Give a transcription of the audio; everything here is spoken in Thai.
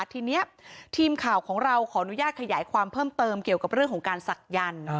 ทีนี้ทีมข่าวของเราขออนุญาตขยายความเพิ่มเติมเกี่ยวกับเรื่องของการศักยันต์